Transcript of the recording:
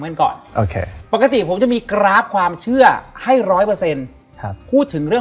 กันก่อนโอเคปกติผมจะมีกราฟความเชื่อให้๑๐๐พูดถึงเรื่อง